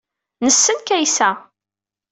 Nessen Kaysa.